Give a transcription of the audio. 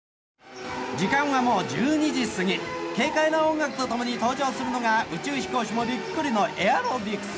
時間はもう１２時すぎ、軽快な音楽とともに登場するのが宇宙飛行士もびっくりのエアロビクス。